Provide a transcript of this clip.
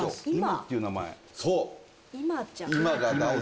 そう。